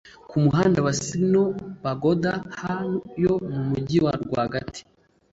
ku muhanda wa signal pagoda ha yo mu mugi rwagati